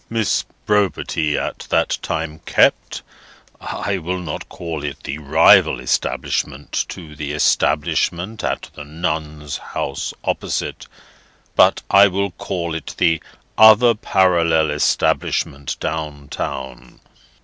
"Miss Brobity at that time kept, I will not call it the rival establishment to the establishment at the Nuns' House opposite, but I will call it the other parallel establishment down town.